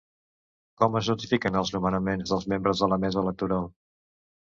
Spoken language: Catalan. Com es notifiquen els nomenaments dels membres de la mesa electoral?